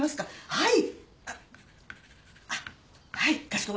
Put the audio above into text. はい。